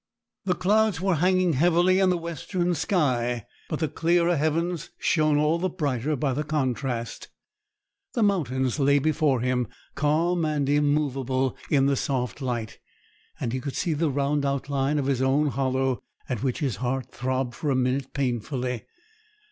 The clouds were hanging heavily in the western sky, but the clearer heavens shone all the brighter by the contrast. The mountains lay before him, calm and immovable in the soft light; and he could see the round outline of his own hollow, at which his heart throbbed for a minute painfully.